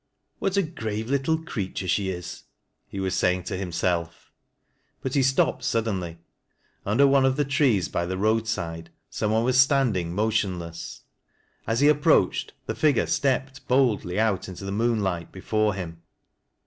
" What a grave little creature she is! " he was saying to himself. But he stopped suddenly ; under one of the trees bv the roadside some one was standing motionless : as he approached, the figure stepped boldly out into the moonlight before him.